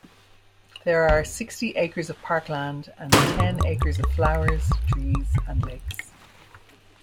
There are sixty acres of parkland and ten acres of flowers, trees and lakes.